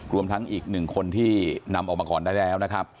รวมทั้งอีกหนึ่งคนที่นำออกมาก่อนได้แล้วนะครับ